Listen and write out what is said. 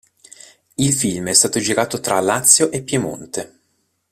Il film è stato girato tra Lazio e Piemonte.